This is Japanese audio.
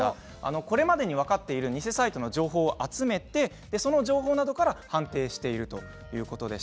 これまでに分かっている偽サイトの情報を集めてその情報などから判定しているということなんです。